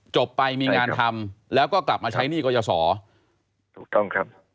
จบไปมีงานทำแล้วก็กลับมาใช้หนี้กรยาศรถูกต้องครับ